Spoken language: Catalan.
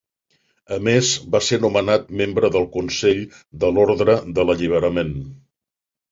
A més, va ser nomenat membre del Consell de l'Orde de l'Alliberament.